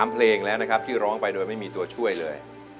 เพลงแล้วนะครับที่ร้องไปโดยไม่มีตัวช่วยเลย